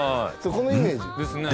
このイメージうん？